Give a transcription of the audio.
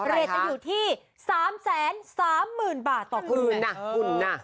เรทจะอยู่ที่๓๓๐๐๐๐บาทต่อคุณนะ